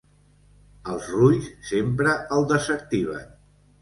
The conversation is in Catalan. Els rulls sempre el desactiven.